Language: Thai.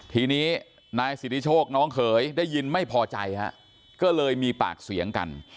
ทีนี้นายสิทธิโชคน้องเขยได้ยินไม่พอใจฮะก็เลยมีปากเสียงกัน